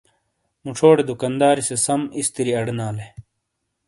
مُوچھوڑے دُکانداری سے سَم اِستِری اَڈینالے۔